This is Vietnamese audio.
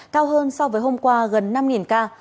cao hơn so với hôm qua gần năm ca